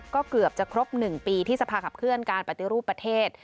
ก็เกือบจะครบ๑ปีที่สภาขับเคลื่อนการปฏิรูปประเทศ